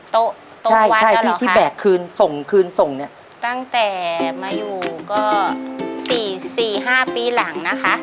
โต๊ะโต๊ะที่แบกคืนส่งคืนส่งเนี่ยตั้งแต่มาอยู่ก็สี่สี่ห้าปีหลังนะคะ